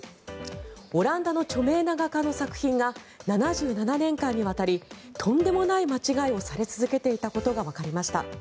オランダの著名な画家の作品が７７年間にわたりとんでもない間違いをされ続けていたことがわかりました。